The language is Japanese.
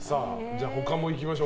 他もいきましょう。